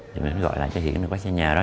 thì mình gọi lại cho hiển có xe nhà đó